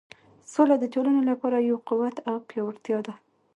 سوله د ټولنې لپاره یو قوت او پیاوړتیا ده.